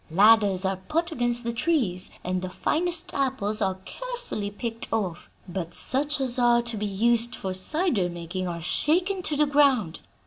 Ladders are put against the trees, and the finest apples are carefully picked off, but such as are to be used for cider making are shaken to the ground.